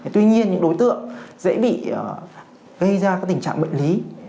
tuy nhiên những đối tượng dễ bị gây ra tình trạng bệnh lý